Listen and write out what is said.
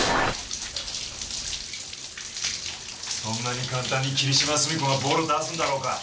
そんなに簡単に霧島澄子がボロ出すんだろうか？